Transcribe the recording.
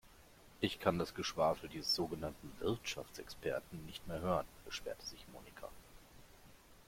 Ich kann das Geschwafel dieses sogenannten Wirtschaftsexperten nicht mehr hören, beschwerte sich Monika.